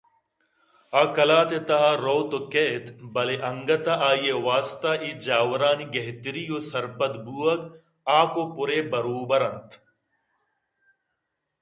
آقلاتءِ تہاروت ءُکیت بلئے انگتءَ آئی ءِ واستہ اے جاورانی گہتری ءُ سرپد بوئگ حاک ءُپُر ءِ بروبر اَنت